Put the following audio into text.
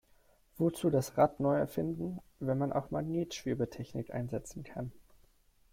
Wozu das Rad neu erfinden, wenn man auch Magnetschwebetechnik einsetzen kann?